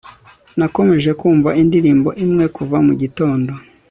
nakomeje kumva indirimbo imwe kuva mugitondo